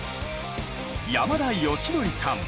山田吉訓さん。